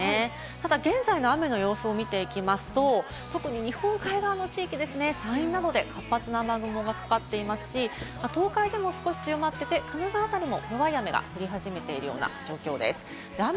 ただ現在の雨の様子を見ていきますと、特に日本海側の地域ですね、山陰などで活発な雨雲がかかっていますし、東海でも少し強まっていて神奈川あたりも弱い雨が降り始めている状況です。